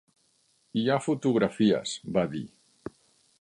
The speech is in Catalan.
"Hi ha fotografies", va dir.